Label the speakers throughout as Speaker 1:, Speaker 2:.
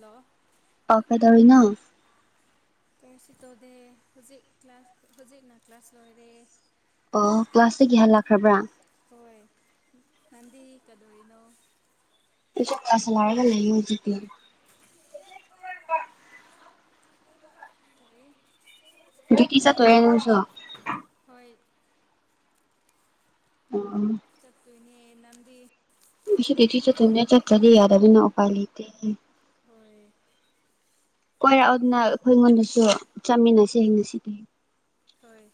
Speaker 1: Hello
Speaker 2: ꯑꯥ ꯀꯩꯗꯧꯔꯤꯅꯣ
Speaker 1: ꯀꯩꯁꯨ ꯇꯧꯗꯦ ꯍꯧꯖꯤꯛ ꯀ꯭ꯂꯥꯁ ꯍꯧꯖꯤꯛꯅ ꯀ꯭ꯂꯥꯁ ꯂꯣꯏꯔꯦ
Speaker 2: ꯑꯣ ꯀ꯭ꯂꯥꯁꯇꯒꯤ ꯍꯜꯂꯥꯛꯈ꯭ꯔꯕ꯭ꯔꯥ
Speaker 1: ꯍꯣꯏ ꯅꯪꯗꯤ ꯀꯗꯧꯔꯤꯅꯣ
Speaker 2: ꯑꯩꯁꯨ ꯀ꯭ꯂꯥꯁ ꯍꯜꯂꯛꯑꯒꯥ ꯂꯩꯌꯦ ꯍꯧꯖꯤꯛꯇ
Speaker 1: [unintelligible]
Speaker 2: [unintelligible]
Speaker 1: ꯀꯔꯤ꯫ [unintelligible]
Speaker 2: ꯗ꯭ꯌꯨꯇꯤ ꯆꯠꯇꯣꯏꯔꯥ ꯅꯪꯁꯨ
Speaker 1: ꯍꯣꯏ
Speaker 2: ꯎꯝ ꯎꯝ
Speaker 1: ꯆꯠꯇꯣꯏꯅꯦ ꯅꯪꯗꯤ
Speaker 2: ꯑꯩꯁꯨ ꯗ꯭ꯌꯨꯇꯤ ꯆꯠꯇꯣꯏꯅꯤꯅꯥ ꯆꯠꯇ꯭ꯔꯗꯤ ꯌꯥꯗꯕꯅꯤꯅꯥ ꯎꯄꯥꯏ ꯂꯩꯇꯦ
Speaker 1: ꯍꯣꯏ
Speaker 2: ꯀꯣꯏꯔꯛꯎꯅꯥ ꯏꯄꯨꯡ ꯑꯅꯤꯁꯨ ꯆꯠꯃꯤꯟꯅꯁꯦ ꯉꯁꯤꯗꯤ
Speaker 1: ꯍꯣꯏ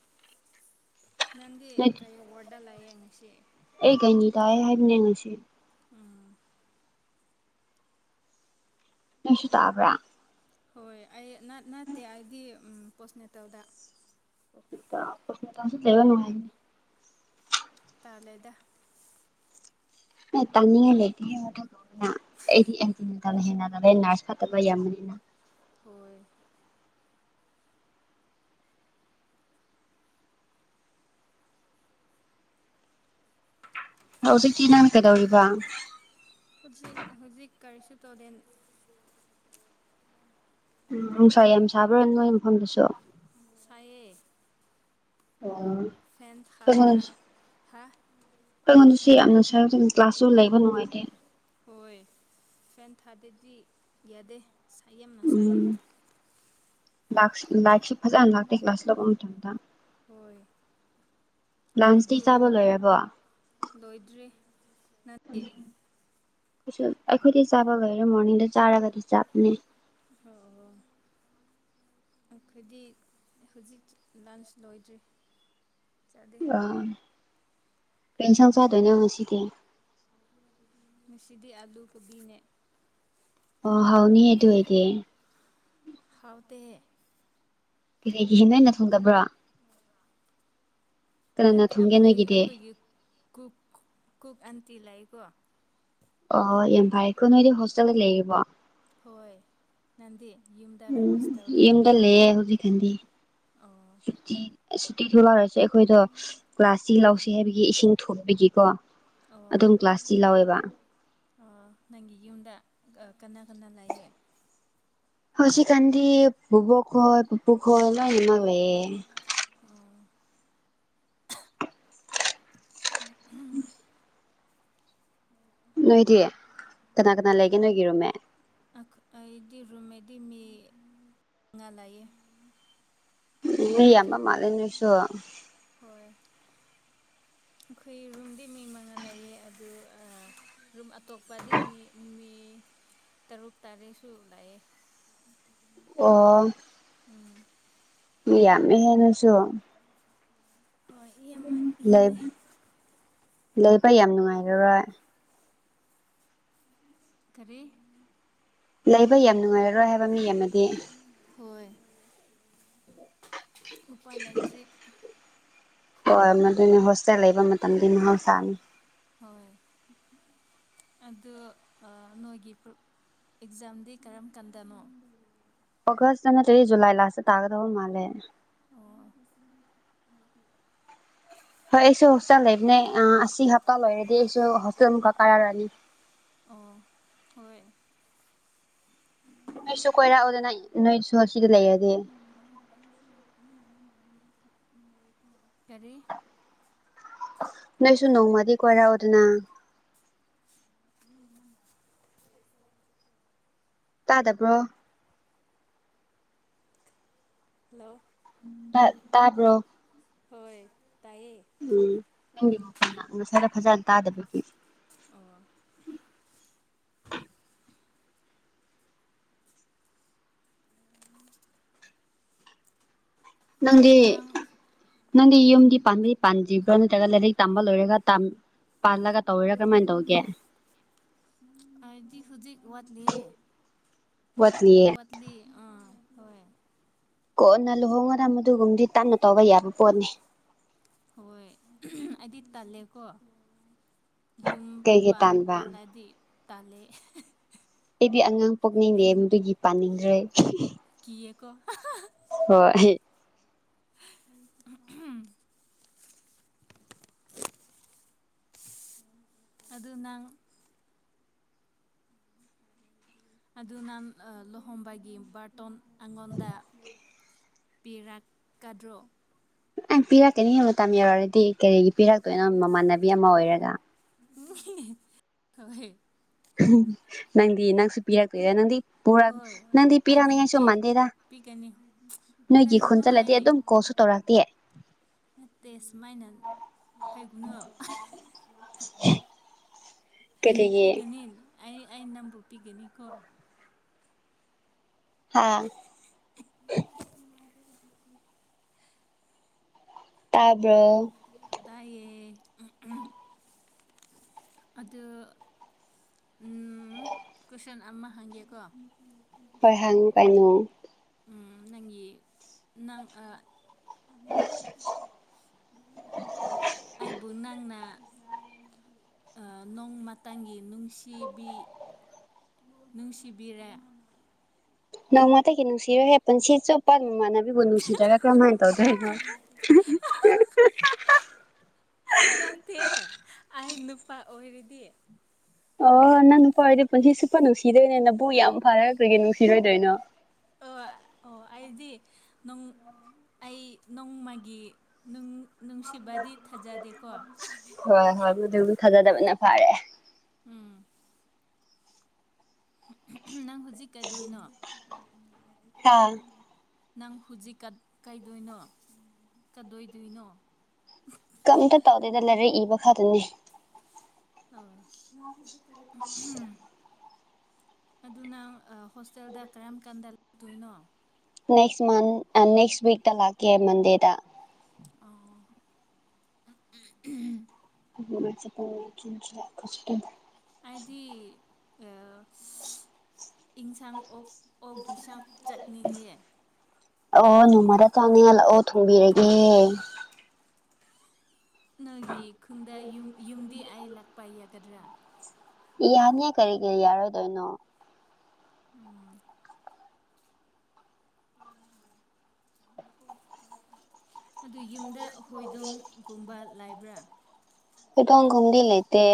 Speaker 1: ꯅꯪꯗꯤ
Speaker 2: ꯅꯣꯏ
Speaker 1: ꯀꯩ ꯋꯥꯔꯠꯗ ꯂꯩꯌꯦ ꯉꯁꯤ
Speaker 2: ꯑꯩ ꯒꯥꯏꯅꯤ ꯇꯥꯏꯌꯦ ꯍꯥꯏꯕꯅꯤ ꯉꯁꯤ
Speaker 1: ꯎꯝ
Speaker 2: ꯅꯪꯁꯨ ꯇꯥꯕ꯭ꯔꯥ
Speaker 1: ꯍꯣꯏ ꯑꯩ ꯅꯠ ꯅꯠꯇꯦ ꯑꯩꯗꯤ ꯄꯣꯁꯅꯦꯇꯜꯗꯥ
Speaker 2: ꯄꯣꯁꯅꯦꯇꯜꯁꯦ ꯂꯩꯕꯥ ꯅꯨꯉꯥꯏꯕꯅꯤ
Speaker 1: ꯇꯟꯂꯦꯗ
Speaker 2: ꯇꯥꯟꯅꯤꯉꯏ ꯂꯩꯇꯦ ꯑꯩꯗꯤ [unintelligible] ꯍꯦꯟꯅ [unintelligible] ꯅꯥꯔꯁ ꯐꯠꯇꯕ ꯌꯥꯝꯕꯅꯤꯅ
Speaker 1: ꯍꯣꯏ
Speaker 2: ꯍꯧꯖꯤꯛꯇꯤ ꯅꯪ ꯀꯩꯗꯧꯔꯤꯕ
Speaker 1: ꯍꯧꯖꯤꯛ ꯍꯧꯖꯤꯛ ꯀꯔꯤꯁꯨ ꯇꯧꯗ‌ꯦ
Speaker 2: ꯎꯝ ꯅꯨꯡꯁꯥ ꯌꯥꯝ ꯁꯥꯕ꯭ꯔꯥ ꯅꯣꯏ ꯃꯐꯝꯗꯨꯁꯨ
Speaker 1: ꯁꯥꯏꯌꯦ
Speaker 2: ꯑꯣ
Speaker 1: ꯐꯦꯟ ꯊꯕꯥ ꯍꯥ
Speaker 2: [unintelligible] ꯉꯁꯤ ꯌꯥꯝꯅ ꯁꯥꯏꯗꯥ ꯀ꯭ꯂꯥꯁꯁꯨ ꯂꯩꯕ ꯅꯨꯡꯉꯥꯏꯇꯦ
Speaker 1: ꯍꯣꯏ ꯐꯦꯟ ꯊꯥꯗꯥꯗꯤ ꯌꯥꯗꯦ ꯌꯥꯝꯅ ꯁꯥꯏꯌꯦ
Speaker 2: ꯎꯝ ꯂꯥꯛꯁꯨ ꯂꯥꯏꯔꯤꯛꯁꯨ ꯐꯖꯅ ꯂꯥꯛꯇꯦ ꯀ꯭ꯂꯥꯁ ꯂꯧꯕ ꯃꯇꯝꯗ
Speaker 1: ꯍꯣꯏ
Speaker 2: ꯂꯟꯁꯇꯤ
Speaker 1: ꯑꯗꯨ
Speaker 2: ꯆꯥꯕ ꯂꯣꯏꯔꯕꯣ
Speaker 1: ꯂꯣꯏꯗ꯭ꯔꯤ ꯅꯪ
Speaker 2: ꯑꯩꯁꯨ ꯑꯩꯈꯣꯏꯗꯤ ꯆꯥꯕ ꯂꯣꯏꯔꯥ ꯃꯣꯔꯅꯤꯡꯗ ꯆꯥꯔꯒꯗꯤ ꯆꯥꯕꯅꯦ
Speaker 1: ꯑꯣ ꯑꯣ ꯑꯩꯈꯣꯏꯗꯤ ꯍꯧꯖꯤꯛ ꯂꯟꯁ ꯂꯣꯏꯗ꯭ꯔꯤ ꯆꯠꯂꯤ
Speaker 2: ꯑꫭ ꯀꯔꯤ ꯏꯟꯁꯥꯡ ꯆꯥꯗꯣꯏꯅꯣ ꯉꯁꯤꯗꯤ
Speaker 1: ꯉꯁꯤꯗꯤ ꯑꯥꯂꯨ ꯀꯣꯕꯤꯅꯦ
Speaker 2: ꯑꯣ ꯍꯥꯎꯅꯤꯍꯦ ꯑꯗꯨꯑꯣꯏꯗꯤ
Speaker 1: ꯍꯥꯎꯇꯦ
Speaker 2: ꯀꯔꯤꯒꯤ ꯅꯣꯏꯅ ꯊꯣꯡꯗꯕ꯭ꯔꯥ ꯀꯅꯥꯅ
Speaker 1: ꯅꯠꯇꯦ
Speaker 2: ꯊꯣꯡꯒꯦ
Speaker 1: ꯑꯩꯈꯣꯏ
Speaker 2: ꯅꯣꯏꯒꯤꯗꯤ
Speaker 1: ꯑꯩꯈꯣꯏꯒꯤ ꯀꯨꯛ ꯀꯨꯛ ꯑꯟꯇꯤ ꯂꯩꯀꯣ
Speaker 2: ꯑꯣ ꯌꯥꯝ ꯐꯩꯀꯣ ꯅꯣꯏꯗꯤ ꯍꯣꯁꯇꯦꯜꯗ ꯂꯩꯔꯤꯕꯣ
Speaker 1: ꯍꯣꯏ ꯅꯟꯗꯤ ꯌꯨꯝ
Speaker 2: ꯎꯝ ꯌꯨꯝꯗ ꯂꯩꯌꯦ ꯍꯧꯖꯤꯛ ꯀꯥꯟꯗꯤ
Speaker 1: ꯑꯣ
Speaker 2: ꯁꯨꯇꯤ ꯁꯨꯇꯤ ꯊꯣꯛꯂꯔꯁꯦ ꯑꯩꯈꯣꯏꯗꯣ ꯀ꯭ꯂꯥꯁꯇꯤ
Speaker 1: ꯑꯣ
Speaker 2: ꯂꯧꯁꯤ ꯍꯥꯏꯕꯒꯤ ꯏꯁꯤꯡ ꯊꯨꯝꯕꯒꯤꯀꯣ
Speaker 1: ꯑꯣ
Speaker 2: ꯑꯗꯨꯝ ꯀ꯭ꯂꯥꯁꯇꯤ ꯂꯧꯋꯦꯕ
Speaker 1: ꯑꯣ ꯅꯪꯒꯤ ꯌꯨꯝꯗ ꯑ ꯀꯅꯥ ꯀꯅꯥ ꯂꯩꯌꯦ
Speaker 2: ꯍꯧꯖꯤꯀꯥꯟꯗꯤ ꯕꯨꯕꯣꯛ ꯈꯣꯏ ꯄꯨꯄꯨ ꯈꯣꯏ ꯂꯣꯏꯅꯃꯛ ꯂꯩꯌꯦ
Speaker 1: ꯑꯥ
Speaker 2: [unintelligible] ꯅꯣꯏꯗꯤ ꯀꯅꯥ ꯀꯅꯥ ꯂꯩꯒꯦ ꯅꯣꯏꯒꯤ ꯔꯨꯝꯃꯦꯠ
Speaker 1: ꯑꯩꯗꯤ ꯔꯨꯝꯃꯦꯠꯇꯤ ꯃꯤ ꯃꯉꯥ ꯂꯩꯌꯦ
Speaker 2: ꯃꯤ ꯌꯥꯝꯕ ꯃꯥꯟꯂꯦ ꯅꯣꯏꯁꯨ
Speaker 1: ꯍꯣꯏ ꯑꯩꯈꯣꯏ ꯔꯨꯝꯗꯤ ꯃꯤ ꯃꯉꯥ ꯂꯩꯌꯦ ꯑꯗꯨ ꯑꯥ ꯔꯨꯝ ꯑꯇꯣꯞꯄꯗꯤ ꯃꯤ ꯃꯤ ꯇꯔꯨꯛ ꯇꯥꯔꯦꯠꯁꯨ ꯂꯩ
Speaker 2: ꯑꯣ
Speaker 1: ꯎꯝ
Speaker 2: ꯃꯤ ꯌꯥꯝꯃꯦꯍꯦ ꯅꯣꯏꯁꯨ
Speaker 1: ꯍꯣꯏ ꯃꯤ ꯑꯃ ꯌꯥꯝꯃꯦ
Speaker 2: ꯂꯩꯕꯥ ꯌꯥꯝ ꯅꯨꯡꯉꯥꯏꯔꯔꯣꯏ
Speaker 1: ꯀꯔꯤ
Speaker 2: ꯂꯩꯕ ꯌꯥꯝ ꯅꯨꯡꯉꯥꯏꯔꯔꯣꯏ ꯍꯥꯏꯕ ꯃꯤ ꯌꯥꯝꯃꯗꯤ
Speaker 1: ꯍꯣꯏ
Speaker 2: [unintelligible]
Speaker 1: ꯎꯄꯥꯏ ꯂꯩꯇ꯭ꯔꯤ
Speaker 2: ꯍꯣꯏ ꯃꯗꯨꯅꯦ ꯍꯣꯁꯇꯦꯜ ꯂꯩꯕ ꯃꯇꯝꯗꯤ ꯃꯍꯧꯁꯥꯅꯤ
Speaker 1: ꯍꯣꯏ ꯑꯗꯨ ꯑ ꯅꯣꯏꯒꯤ ꯑꯦꯛꯖꯥꯝꯗꯤ ꯀꯔꯝ ꯀꯥꯟꯗꯅꯣ
Speaker 2: ꯑꯣꯒꯁꯇ ꯅꯠꯇ꯭ꯔꯗꯤ ꯖꯨꯂꯥꯏ ꯂꯥꯁ ꯇꯥ ꯇꯥꯒꯗꯕꯥ ꯃꯥꯜꯂꯦ
Speaker 1: ꯑꯣ
Speaker 2: ꯍꯣꯏ ꯑꯩꯁꯨ ꯍꯣꯁꯇꯦꯜ ꯂꯩꯕꯅꯦ ꯑ ꯑꯁꯤ ꯍꯞꯇꯥ ꯂꯣꯏꯔꯗꯤ ꯑꯩꯁꯨ ꯍꯣꯁꯇꯦꯜ ꯑꯃꯨꯛꯀ ꯀꯥꯔꯛꯑꯅꯤ
Speaker 1: ꯑꯣ ꯍꯣꯏ
Speaker 2: ꯅꯣꯏꯁꯨ ꯀꯣꯏꯔꯛꯎꯗꯅ ꯅꯣꯏꯁꯨ ꯑꯁꯤꯗ ꯂꯩꯔꯗꯤ
Speaker 1: ꯀꯔꯤ
Speaker 2: ꯅꯣꯏꯁꯨ ꯅꯣꯡꯃꯗꯤ ꯀꯣꯏꯔꯛꯎꯗꯅ ꯇꯥꯗꯕ꯭ꯔꯣ
Speaker 1: ꯍꯜꯂꯣ
Speaker 2: ꯇꯥ ꯇꯥꯕ꯭ꯔꯣ
Speaker 1: ꯍꯣꯏ ꯇꯥꯏꯌꯦ
Speaker 2: ꯎꯝ [unintelligible] ꯉꯁꯥꯏꯅ ꯐꯖꯟ ꯇꯥꯗꯕꯒꯤ
Speaker 1: ꯑꯣ
Speaker 2: ꯅꯪꯗꯤ
Speaker 1: ꯑꯗꯨꯗꯤ ꯅꯪ
Speaker 2: ꯅꯪꯗꯤ ꯌꯨꯝꯗꯤ ꯄꯥꯟꯗꯤ ꯄꯥꯟꯗ꯭ꯔꯤꯕ꯭ꯔꯥ ꯅꯠꯇ꯭ꯔꯒ ꯂꯥꯏꯔꯤꯛ ꯇꯝꯕ ꯂꯣꯏꯔꯒ ꯇꯝ ꯄꯥꯜꯂꯒ ꯇꯧꯔꯤꯔ ꯀꯔꯝꯃꯥꯏꯟ ꯇꯧꯔꯤꯒꯦ
Speaker 1: [unintelligible] ꯍꯧꯖꯤꯛ ꯍꯧꯖꯤꯛ ꯋꯥꯠꯂꯤꯌꯦ
Speaker 2: ꯋꯥꯠꯂꯤꯌꯦ
Speaker 1: ꯋꯥꯠꯂꯤ ꯑꯥ ꯍꯣꯏ
Speaker 2: ꯀꯣꯟꯅ ꯂꯨꯍꯣꯡꯉꯔ ꯃꯗꯨꯒꯨꯝꯕꯗꯤ ꯇꯟꯅ ꯇꯧꯕ ꯌꯥꯕ ꯄꯣꯠꯅꯤ
Speaker 1: ꯑꯍꯣꯏ ꯑꯩꯗꯤ ꯇꯜꯂꯦꯀꯣ ꯌꯨꯝ
Speaker 2: ꯀꯩꯒꯤ
Speaker 1: ꯄꯥꯜ
Speaker 2: ꯇꯥꯟꯕ
Speaker 1: ꯄꯥꯜꯂꯗꯤ ꯇꯜꯂꯦꯍꯦ
Speaker 2: ꯑꯩꯗꯤ ꯑꯉꯥꯡ ꯄꯣꯛꯅꯤꯡꯗꯦ ꯃꯗꯨꯒꯤ ꯄꯥꯅꯤꯡꯗ꯭ꯔꯦ
Speaker 1: ꯀꯤꯌꯦꯀꯣ
Speaker 2: ꯍꯣꯏ
Speaker 1: [unintelligible] [unintelligible] ꯑꯗꯨ ꯅꯪ ꯑꯗꯨ ꯅꯪ ꯑ ꯂꯨꯍꯣꯡꯕꯒꯤ ꯕꯥꯔꯇꯣꯟ ꯑꯩꯉꯣꯟꯗ ꯄꯤꯔꯥꯠ ꯀꯥꯗ꯭ꯔꯣ
Speaker 2: ꯑꯥꯏꯝ ꯄꯤꯔꯛꯀꯅꯤꯍꯦ ꯃꯇꯝ ꯌꯧꯔꯛꯔꯗꯤ ꯀꯔꯤꯒꯤ ꯄꯤꯔꯛꯇꯣꯏꯅꯣ ꯃꯃꯥꯟꯅꯕꯤ ꯑꯃ ꯑꯣꯏꯔꯒ
Speaker 1: ꯍꯣꯏ
Speaker 2: ꯅꯪꯗꯤ ꯅꯪꯁꯨ ꯄꯤꯔꯛꯇꯣꯏꯔ ꯅꯪꯗꯤ ꯄꯨꯔꯛ
Speaker 1: ꯍꯣꯏ
Speaker 2: ꯅꯪꯗꯤ
Speaker 1: ꯑꯩꯗꯤ
Speaker 2: ꯄꯤꯔꯛꯅꯤꯡꯉꯥꯏꯁꯨꯨ ꯃꯥꯟꯗꯦꯗ
Speaker 1: ꯄꯤꯒꯅꯤ
Speaker 2: ꯅꯣꯏꯒꯤ ꯈꯨꯟ
Speaker 1: ꯀꯔꯤꯅꯣ
Speaker 2: ꯆꯠꯂꯗꯤ
Speaker 1: ꯑꯩ
Speaker 2: ꯑꯗꯨꯝ ꯀꯣꯜꯁꯨ ꯇꯧꯔꯛꯇꯦ
Speaker 1: ꯅꯠꯇꯦ ꯁꯨꯃꯥꯏꯅꯟ ꯍꯥꯏꯒꯨꯅ [unintelligible]
Speaker 2: ꯀꯔꯤꯒꯤ
Speaker 1: ꯄꯤꯒꯅꯤꯟ ꯑꯩ ꯑꯩ ꯅꯪꯕꯨ ꯄꯤꯒꯅꯤꯀꯣ
Speaker 2: ꯍꯥꯥ ꯇꯥꯕ꯭ꯔꯣ
Speaker 1: ꯇꯥꯏꯌꯦ ꯑꯗꯨ ꯎꯝ ꯀꯣꯏꯁꯟ ꯑꯃ ꯍꯪꯒꯦꯀꯣ
Speaker 2: ꯍꯣꯏ ꯍꯪꯉꯨ ꯀꯩꯅꯣ
Speaker 1: ꯎꯝ ꯅꯪꯒꯤ ꯅꯪ ꯑ
Speaker 2: [unintelligible]
Speaker 1: ꯑꯥꯏꯕꯨꯨ ꯅꯪꯅ ꯑ ꯅꯣꯡꯃꯥꯇꯪꯒꯤ ꯅꯨꯡꯁꯤꯕꯤ ꯅꯨꯡꯁꯤꯕꯤꯔꯦ
Speaker 2: ꯅꯣꯡꯃꯇꯒꯤ ꯅꯨꯡꯁꯤꯔꯣꯏꯍꯦ ꯄꯨꯟꯁꯤ ꯆꯨꯞꯄ ꯃꯃꯥꯟꯅꯕꯤꯕꯨ ꯅꯨꯡꯁꯤꯗ꯭ꯔꯒ ꯀꯔꯝꯃꯥꯏꯟ ꯇꯧꯗꯣꯏꯅꯣ
Speaker 1: ꯅꯠꯇꯦ ꯑꯩ ꯅꯨꯄꯥ ꯑꯣꯏꯔꯗꯤ
Speaker 2: ꯑꯣ ꯅꯪ ꯅꯨꯄꯥ ꯑꯣꯏꯔꯗꯤ ꯄꯨꯟꯁꯤ ꯆꯨꯞꯄ ꯅꯨꯡꯁꯤꯗꯣꯏꯅꯦ ꯅꯥꯕꯨ ꯌꯥꯝ ꯐꯥꯔꯒ ꯀ꯭ꯔꯤꯒꯤ ꯅꯨꯡꯁꯤꯔꯣꯏꯗꯣꯏꯅꯣ
Speaker 1: ꯑꯣꯏ ꯑꯣ ꯑꯩꯗꯤ ꯅꯨꯡ ꯑꯩ ꯅꯣꯡꯃꯒꯤ ꯅꯨꯡ ꯅꯨꯡꯁꯤꯕꯗꯤ ꯊꯥꯖꯗꯦꯀꯣ
Speaker 2: ꯍꯣꯏ ꯍꯣꯏ [unintelligible] ꯊꯥꯖꯗꯕꯅ ꯐꯔꯦ
Speaker 1: ꯎꯝ ꯅꯪ ꯍꯧꯖꯤꯛ ꯀꯩꯗꯧꯏꯅꯣ
Speaker 2: ꯍꯥꯥ
Speaker 1: ꯅꯪ ꯍꯨꯖꯤꯛ ꯀꯩꯏꯗꯣꯏꯅꯣ ꯀꯗꯣꯏꯗꯣꯏꯅꯣ
Speaker 2: ꯀꯝꯇ ꯇꯧꯗꯦꯗ ꯂꯥꯏꯔꯛ ꯏꯕ ꯈꯛꯇꯅꯤ
Speaker 1: ꯑ ꯅꯪ ꯍꯧꯖꯤꯛꯀꯔꯤ ꯑꯗꯨ ꯅꯪ ꯍꯣꯁꯇꯦꯜꯗ ꯀꯔꯝ ꯀꯥꯟꯗ ꯂꯥꯛꯇꯣꯏꯅꯣ
Speaker 2: ꯅꯦꯛꯁ ꯃꯟ ꯑ ꯅꯦꯛꯁ ꯋꯤꯛꯛꯇ ꯂꯥꯛꯀꯦ ꯃꯟꯗꯦꯗ
Speaker 1: ꯑꯣ
Speaker 2: [unintelligible]
Speaker 1: ꯍꯥꯏꯗꯤ ꯑ ꯏꯟꯁꯥꯡ ꯑꯣꯛ ꯑꯣꯛꯀꯤ ꯁꯥꯡ ꯆꯠꯅꯤꯡꯉꯦ
Speaker 2: ꯑꯣ ꯅꯣꯡꯃꯔ ꯆꯥꯅꯤꯡꯉ ꯂꯥꯛꯑꯣ ꯊꯣꯡꯕꯤꯔꯒꯦ
Speaker 1: ꯅꯪꯒꯤ ꯈꯨꯟꯗ ꯌꯨ ꯌꯨꯝꯗꯤ ꯑꯩ ꯂꯥꯛꯄ ꯌꯥꯒꯗ꯭ꯔꯥ
Speaker 2: ꯌꯥꯅꯤꯌꯦ ꯀꯔꯤꯒꯤ ꯌꯥꯔꯣꯏꯗꯣꯏꯅꯣ
Speaker 1: ꯎꯝ ꯑꯗꯨ ꯌꯨꯝꯗ ꯍꯣꯏꯗꯣꯡꯒꯨꯝꯕ ꯂꯥꯏꯕ꯭ꯔꯥ
Speaker 2: ꯇꯪꯒꯨꯝꯗꯤ ꯂꯩꯇꯦ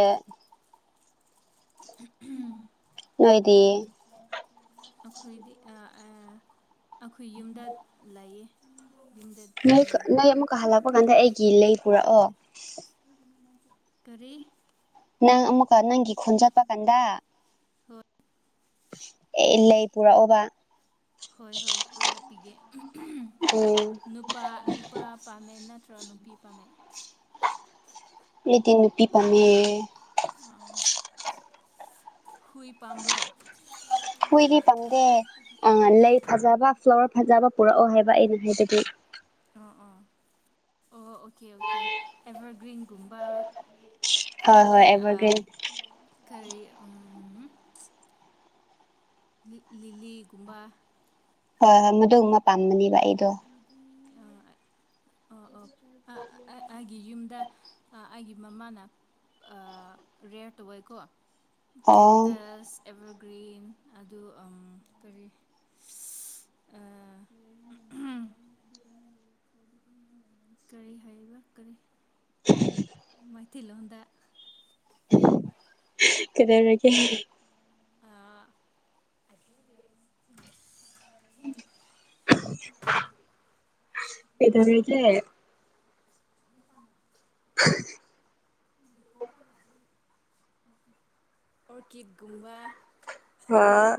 Speaker 1: ꯎꯝ
Speaker 2: ꯅꯣꯏꯗꯤ
Speaker 1: ꯑꯈꯣꯏꯗꯤ ꯑ ꯑ ꯑꯈꯣꯏ ꯌꯨꯝꯗ ꯂꯩꯌꯦ ꯌꯨꯝꯗ
Speaker 2: ꯅꯣꯏ
Speaker 1: ꯂꯩꯌꯦ
Speaker 2: ꯅꯣꯏ
Speaker 1: ꯍꯣꯏ
Speaker 2: ꯑꯃꯨꯛꯀ ꯍꯜꯂꯛꯄ ꯀꯥꯟꯗ ꯑꯩꯒꯤ ꯂꯩ ꯄꯨꯔꯛꯑꯣ
Speaker 1: [unintelligible] ꯀꯔꯤ
Speaker 2: ꯅꯪ ꯑꯃꯨꯛꯀ ꯅꯪꯒꯤ ꯈꯣꯟ ꯆꯠꯄ ꯀꯥꯟꯗ
Speaker 1: ꯍꯣꯏ
Speaker 2: ꯂꯩ ꯄꯨꯔꯛ ꯑꯣꯕ
Speaker 1: ꯍꯣꯏ ꯍꯣꯏ ꯄꯨꯔꯛꯄꯤꯒꯦ ꯅꯨꯞ
Speaker 2: ꯎꯝ
Speaker 1: ꯅꯨꯄꯥ ꯅꯨꯄꯥ ꯄꯥꯝꯃꯦ ꯅꯠꯇ꯭ꯔ ꯅꯨꯄꯤ ꯄꯥꯝꯃꯦ
Speaker 2: ꯑꯩꯗꯤ ꯅꯨꯄꯤ ꯄꯝꯃꯦ
Speaker 1: ꯑ ꯍꯨꯏ ꯄꯥꯝ꯭ꯕꯔꯣ
Speaker 2: ꯍꯨꯏꯗꯤ ꯄꯪꯗꯦ ꯑ ꯂꯩ ꯐꯖꯕ ꯐ꯭ꯂꯋꯔ ꯐꯖꯕ ꯄꯨꯔꯛꯑꯣ ꯍꯥꯏꯕ ꯑꯩꯅ ꯍꯥꯏꯕꯗꯤ
Speaker 1: ꯑꯣꯥ ꯑꯣꯥ ꯑꯣ ꯑꯣꯀꯦ ꯑꯣꯀꯦ ꯑꯦꯚꯔꯒ꯭ꯔꯤꯟꯒꯨꯝꯕ
Speaker 2: ꯍꯣꯏ ꯍꯣꯏ
Speaker 1: ꯅꯠꯇꯔꯥꯗꯤ ꯑꯝ
Speaker 2: ꯑꯦꯚꯔꯒ꯭ꯔꯤꯟ
Speaker 1: ꯀꯔꯤ ꯎꯝ ꯂꯤꯛꯂꯤꯂꯤ ꯒꯨꯝꯕ
Speaker 2: ꯍꯣꯏ ꯍꯣꯏ ꯃꯗꯨꯝ ꯄꯥꯝꯕꯅꯦꯕ ꯑꯩꯗꯣ
Speaker 1: ꯑꯣ ꯑꯣ ꯑꯩꯒꯤ ꯌꯨꯝꯗ ꯑꯩꯒꯤ ꯃꯃꯥꯅ ꯑ ꯔꯦꯌꯔ ꯇꯧ ꯑꯣꯏꯦꯀꯣ
Speaker 2: ꯑꯣ
Speaker 1: ꯀꯦꯛꯇꯁ ꯑꯦꯕꯔꯒ꯭ꯔꯤꯟ ꯑꯗꯨ ꯑꯝ ꯀꯔꯤ ꯑ ꯀꯔꯤ ꯍꯥꯏꯕ ꯀꯔꯤ ꯃꯩꯇꯩꯂꯣꯟꯗ
Speaker 2: ꯀꯩꯗꯧꯔꯒꯦ
Speaker 1: ꯑ [unintelligible]
Speaker 2: ꯀꯩꯗꯧꯔꯤꯒꯦ [unintelligible]
Speaker 1: ꯑꯣꯔꯀꯤꯠ ꯒꯨꯝꯕꯥ
Speaker 2: ꯍꯥꯥ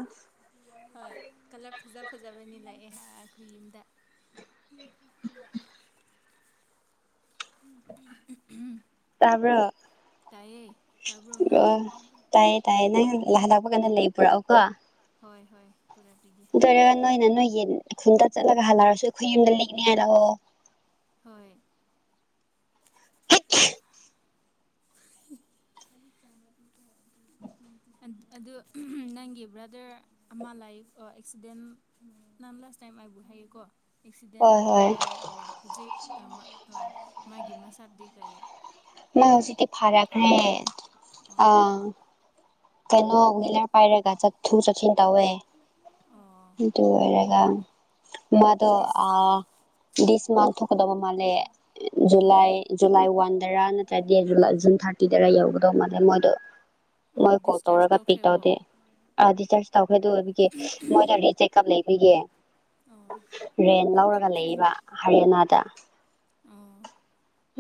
Speaker 1: ꯍꯣꯏ ꯀꯂꯔ ꯐꯖ ꯐꯖꯕꯑꯅꯤ ꯂꯥꯛꯑꯦ ꯑꯈꯣꯏ ꯌꯨꯝꯗ
Speaker 2: [inaudible]
Speaker 1: [unintelligible]
Speaker 2: ꯇꯥꯕ꯭ꯔꯣ
Speaker 1: ꯇꯥꯏꯌꯦ ꯇꯥꯕ꯭ꯔꯣ ꯅꯪ
Speaker 2: ꯑꯣ ꯇꯥꯏꯌꯦ ꯇꯥꯏꯌꯦ ꯅꯪ ꯂꯍꯜꯂꯛꯄ ꯀꯥꯟꯗꯥ ꯂꯩ ꯄꯨꯔꯛꯑꯣ ꯀꯣ
Speaker 1: ꯍꯣꯏ ꯍꯣꯏ ꯄꯨꯔꯛ ꯄꯤꯒꯦ
Speaker 2: ꯑꯗꯨ ꯑꫭꯏꯔꯥꯒ ꯅꯣꯏꯅ ꯅꯣꯏꯒꯤ ꯈꯨꯟꯗꯥ ꯆꯠꯂꯒ ꯍꯜꯂꯛꯑꯁꯨ ꯑꯩꯈꯣꯏ ꯌꯨꯝꯗ ꯂꯤꯛꯅꯤ ꯍꯥꯏ ꯂꯥꯛꯑꯣ
Speaker 1: ꯍꯣꯏ ꯑꯗꯨ ꯅꯪꯒꯤ ꯕ꯭ꯔꯥꯗꯔ ꯑꯃ ꯂꯥꯏꯐ ꯑꯦꯛꯁꯤꯗꯦꯟ ꯅꯝ ꯂꯥꯁ ꯇꯥꯏꯝ ꯑꯩꯕꯨ ꯍꯥꯏꯌꯦꯀꯣ ꯑꯦꯛꯁꯤꯗꯦꯟ
Speaker 2: ꯍꯣꯏ ꯍꯣꯏ
Speaker 1: ꯇꯧꯔꯦ ꯑꯣꯏ ꯍꯧꯖꯤꯛ ꯃꯥꯒꯤ ꯃꯁꯥꯗꯤ ꯀꯩ
Speaker 2: ꯃꯥ ꯍꯧꯖꯤꯛꯗꯤ
Speaker 1: ꯐꯕ꯭ꯔꯣ
Speaker 2: ꯐꯔꯛꯈ꯭ꯔ‌ꯦ
Speaker 1: ꯑꯣ
Speaker 2: ꯑꯝ ꯀꯩꯅꯣ ꯋꯤꯂꯔ ꯄꯥꯏꯔꯒ ꯆꯠꯊꯨ ꯆꯠꯁꯤꯟ ꯇꯧꯋꯦ
Speaker 1: ꯑꯥ
Speaker 2: ꯑꯗꯨ ꯑꯣꯏꯔꯒ ꯃꯥꯗꯣ
Speaker 1: ꯗꯤꯁ
Speaker 2: ꯑꯥ ꯂꯤꯁ ꯃꯥꯡ ꯊꯣꯛꯀꯗꯕ ꯃꯥꯜꯂꯦ
Speaker 1: ꯑꯣ
Speaker 2: ꯖꯨꯂꯥꯏ ꯖꯨꯂꯥꯏ ꯋꯥꯟꯗꯔꯥ ꯅꯠꯇ꯭ꯔꯗꯤ ꯖꯨ ꯖꯨꯟ ꯊꯥꯔꯇꯤꯗꯔ ꯌꯧꯒꯗꯧ ꯃꯥꯜꯂꯦ ꯃꯣꯏꯗꯣ
Speaker 1: [inaudible]
Speaker 2: ꯃꯣꯏ ꯀꯣꯜ
Speaker 1: ꯗꯤꯁꯆꯥꯔꯖ
Speaker 2: ꯇꯧꯔꯒ ꯄꯤꯛ
Speaker 1: ꯇꯧꯈ꯭ꯔꯦꯕꯣ
Speaker 2: ꯇꯧꯗꯦ ꯑꯥ ꯗꯤꯆꯥꯔꯖ ꯇꯧꯈ꯭ꯔ‌ꯦ ꯑꯗꯨ ꯑꯣꯏꯕꯒꯤ ꯃꯣꯏꯗꯗꯤ ꯆꯦꯛꯑꯞ ꯂꯩꯕꯒꯤ [unintelligible]
Speaker 1: ꯑꯣ
Speaker 2: ꯔꯦꯟ ꯂꯧꯔꯒ ꯂꯩꯕ ꯍꯔꯤꯌꯥꯅꯥꯗ
Speaker 1: ꯎꯝ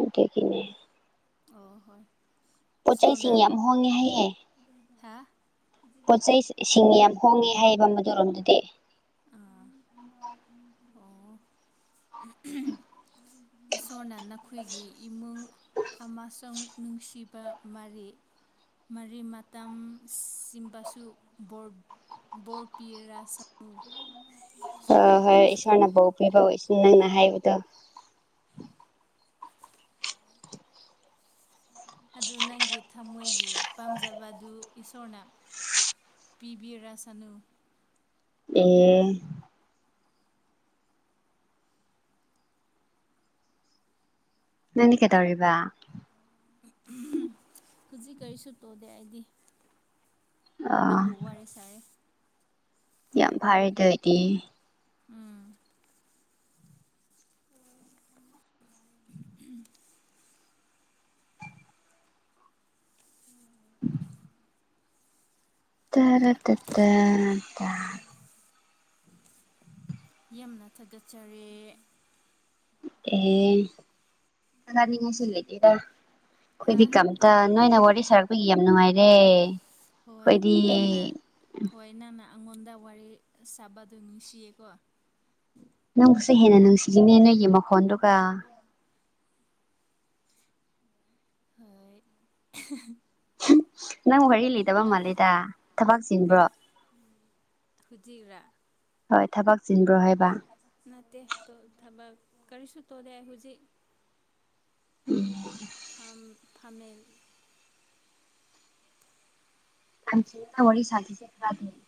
Speaker 2: ꯑꯗꯨꯒꯤꯅꯦ
Speaker 1: ꯑꯣ ꯍꯣꯏ
Speaker 2: ꯄꯣꯠ
Speaker 1: ꯏꯁꯁꯣꯔꯅꯥ
Speaker 2: ꯆꯩꯁꯤꯡ ꯌꯥꯝ ꯍꯣꯡꯉꯦ
Speaker 1: ꯍꯥ
Speaker 2: ꯄꯣꯠꯆꯩ ꯁꯤꯡ ꯌꯥꯝ ꯍꯣꯡꯉꯦ ꯍꯥꯏꯌꯦꯕ ꯃꯗꯨꯔꯣꯝꯗꯗꯤ
Speaker 1: ꯑꯥ ꯑꯣ ꯏꯁꯣꯔꯅ ꯅꯈꯣꯏꯒꯤ ꯏꯃꯨꯡ ꯑꯃꯁꯨꯡ ꯅꯨꯡꯁꯤꯕ ꯃꯔꯤ ꯃꯔꯤ ꯃꯇꯝ ꯁꯤꯟꯕꯁꯨ ꯕꯣꯔ ꯕꫭꯔ ꯄꯤꯔꯁ ꯑꯣ [unintelligible]
Speaker 2: ꯍꫭ‌ ꯍꯣꯏ ꯏꯁꯣꯔꯅ ꯕꯣꯔ ꯄꯤꯕ ꯑꯣꯏꯁꯤꯅ ꯍꯥꯏꯕꯗꯣ
Speaker 1: ꯑꯗꯨ ꯅꯪꯒꯤ ꯊꯃꯣꯏꯒꯤ ꯄꯥꯝꯖꯕ ꯑꯗꯨ ꯏꯁꯣꯔꯅ ꯄꯤꯕꯤꯔꯁꯅꯨ
Speaker 2: ꯑꯦ ꯅꯪꯗꯤ ꯀꯩꯗꯧꯔꯤꯕ
Speaker 1: ꯎꯝ [unintelligible] ꯍꯧꯖꯤꯛ ꯀꯔꯤꯁꯨ ꯇꯧꯗꯦ ꯑꯩꯗꯤ
Speaker 2: ꯑ
Speaker 1: ꯅꯪꯕꯨ ꯋꯥꯔꯤ ꯁꯥꯔꯦ
Speaker 2: ꯌꯥꯝ ꯐꯔꯦ ꯑꯗꯨ ꯑꯣꯏꯗꯤ
Speaker 1: ꯎꯝ
Speaker 2: [unintelligible] ꯇꯔꯛꯇꯥ ꯇ ꯇ
Speaker 1: ꯌꯥꯝꯅ ꯊꯥꯒꯠꯆꯔꯤ
Speaker 2: ꯑꯦ ꯁꯅꯥꯅꯤꯡꯕꯁꯨ ꯂꯩꯇꯦꯗ [unintelligible] ꯑꯩꯈꯣꯏꯗꯤ
Speaker 1: ꯍꯥ
Speaker 2: ꯀꯝꯇ ꯅꯣꯏꯅ ꯋꯥꯔꯤ ꯁꯥꯔꯛꯄꯒꯤ ꯌꯥꯝ ꯅꯨꯡꯉꯥꯏꯔꯦ
Speaker 1: ꯍꯣꯏ
Speaker 2: ꯑꯩꯈꯣꯏꯗꯤ
Speaker 1: ꯅꯪꯅ ꯍꯣꯏ ꯅꯪꯅ ꯑꯩꯉꯣꯟꯗ ꯋꯥꯔꯤ ꯁꯥꯕꯗꯨ ꯅꯨꯡꯁꯤꯌꯦꯀꯣ
Speaker 2: ꯅꯪꯕꯨꯁꯨ ꯍꯦꯟꯅ ꯅꯨꯡꯁꯤꯔꯤꯅꯦ ꯅꯣꯏꯒꯤ ꯃꯈꯣꯟꯗꯨꯒ
Speaker 1: ꯍꯣꯏ [unintelligible]
Speaker 2: ꯅꯪ ꯋꯥꯔꯤ ꯂꯤꯗꯕ ꯃꯥ ꯂꯤꯗ
Speaker 1: ꯀꯩ ꯍꯧꯖꯤꯛꯔꯥ
Speaker 2: ꯍꯣꯏ ꯊꯕꯛ ꯆꯤꯟꯕ꯭ꯔꯣ ꯍꯥꯏꯕ
Speaker 1: ꯅꯠꯇꯦ ꯊꯕꯛ ꯀꯔꯤꯁꯨ ꯇꯧꯗꯦ ꯑꯩ ꯍꯧꯖꯤꯛ
Speaker 2: ꯎꯝ
Speaker 1: ꯐꯝ ꯐꯝꯃꯦ
Speaker 2: ꯑ ꯋꯥ ꯋꯥꯔꯤ ꯁꯥ ꯈꯔꯅꯤ [unintelligible]